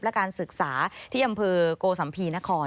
และการศึกษาที่อำเภอโกสัมภีนคร